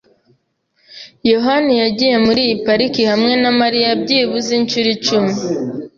yohani yagiye muri iyi parike hamwe na Mariya byibuze inshuro icumi.